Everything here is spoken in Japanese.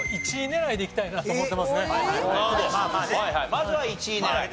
まずは１位狙い。